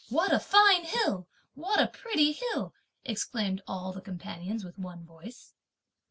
"What a fine hill, what a pretty hill!" exclaimed all the companions with one voice.